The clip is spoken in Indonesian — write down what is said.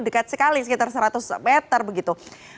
dekat sekali sekitar seratus meter begitu